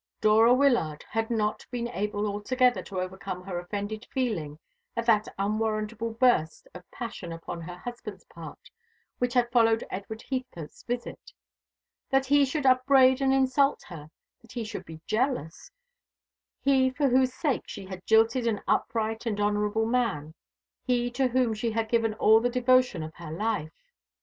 Dora Wyllard had not been able altogether to overcome her offended feeling at that unwarrantable burst of passion upon her husband's part, which had followed Edward Heathcote's visit. That he should upbraid and insult her, that he should be jealous he for whose sake she had jilted an upright and honourable man, he to whom she had given all the devotion of her life!